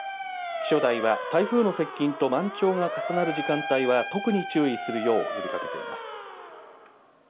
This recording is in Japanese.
気象台は、台風の接近と満潮が重なる時間帯は、特に注意するよう呼びかけています。